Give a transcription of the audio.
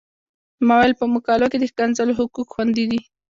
ما ویل په مقالو کې د ښکنځلو حقوق خوندي دي.